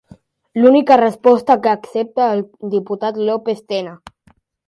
L'única resposta que accepta el diputat López Tena.